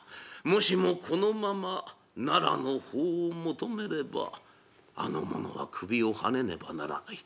もしもこのまま奈良の法を求めればあの者は首をはねねばならない。